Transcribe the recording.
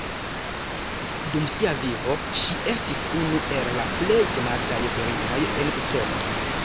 Dum sia vivo ŝi estis unu el la plej konataj virinoj en Usono.